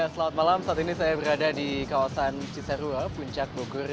selamat malam saat ini saya berada di kawasan cisarua puncak bogor